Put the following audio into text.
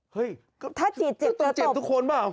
เฮ้ยก็ต้องเจ็บทุกคนเปล่า